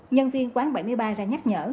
nhân viên quán bảy mươi ba ra nhắc nhở